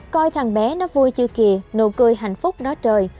coi thằng bé nó vui chưa kìa nụ cười hạnh phúc đó trời